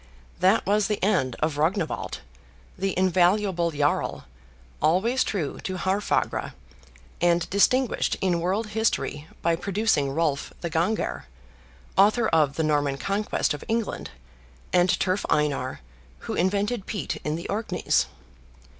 That was the end of Rognwald, the invaluable jarl, always true to Haarfagr; and distinguished in world history by producing Rolf the Ganger, author of the Norman Conquest of England, and Turf Einar, who invented peat in the Orkneys.